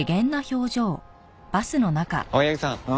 青柳さん